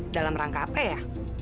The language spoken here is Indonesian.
dalam rangka apa ya